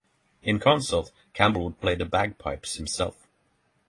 In concert Campbell would play the bagpipes himself.